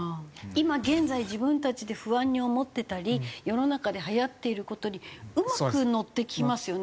今現在自分たちで不安に思ってたり世の中ではやっている事にうまく乗ってきますよね